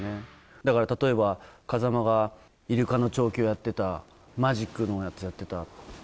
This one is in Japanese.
だから例えば風真がイルカの調教やってた、マジックのやつやってた。